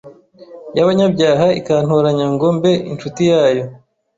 y’abanyabyaha ikantoranya ngo mbe inshuti yayo